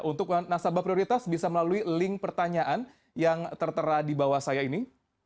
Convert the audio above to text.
untuk nasabah prioritas bisa melalui link pertanyaan yang tertera di bawah saya ini